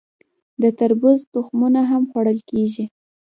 د تربوز تخمونه هم خوړل کیږي.